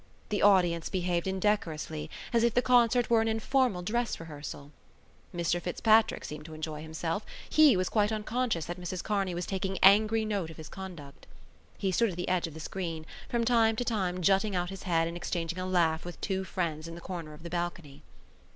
The audience behaved indecorously, as if the concert were an informal dress rehearsal. Mr Fitzpatrick seemed to enjoy himself; he was quite unconscious that Mrs Kearney was taking angry note of his conduct. He stood at the edge of the screen, from time to time jutting out his head and exchanging a laugh with two friends in the corner of the balcony.